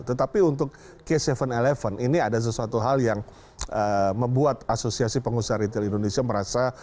tetapi untuk k tujuh sebelas ini ada sesuatu hal yang membuat asosiasi pengusaha retail indonesia merasa